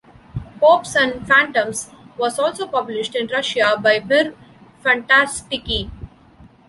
"Popes and Phantoms" was also published in Russia by "Mir Fantastiki".